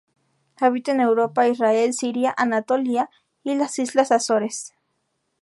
Habita en Europa, Israel, Siria, Anatolia y las Islas Azores.